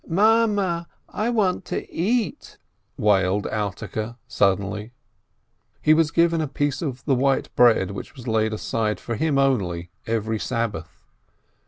"Mame, I want to eat !" wailed Alterke, suddenly. He was given a piece of the white bread which was laid aside, for him only, every Sabbath.